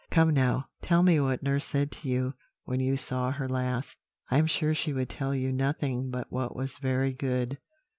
Come now, tell me what nurse said to you when you saw her last. I am sure she would tell you nothing but what was very good.'